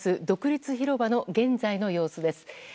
独立広場の現在の様子です。